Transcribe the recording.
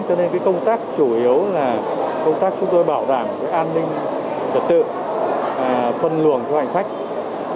cho nên công tác chủ yếu là công tác chúng tôi bảo đảm an ninh trật tự phân luồng cho hành khách